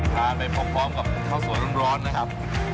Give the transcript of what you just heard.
ทานไปพร้อมกับข้าวสวยร้อนนะครับ